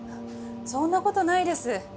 そんな事ないです。